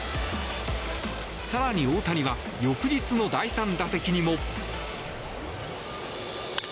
更に大谷は翌日の第３打席にも。